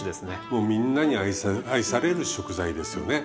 もうみんなに愛される食材ですよね。